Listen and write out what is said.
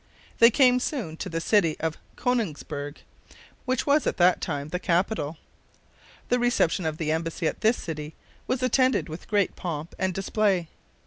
They came soon to the city of Konigsberg, which was at that time the capital. The reception of the embassy at this city was attended with great pomp and display.